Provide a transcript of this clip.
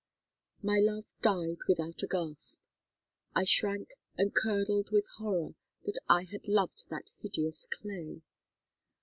"My love died without a gasp. I shrank and curdled with horror that I had loved that hideous clay.